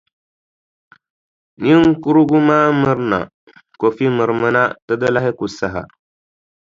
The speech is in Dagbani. Niŋkurugu maa mirina. Kofi mirimina, ti di lahi ku saha.